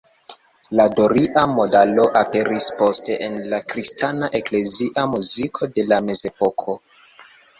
La doria modalo aperis poste en la kristana eklezia muziko de la mezepoko.